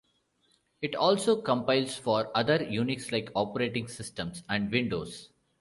It also compiles for other Unix-like operating systems and Windows.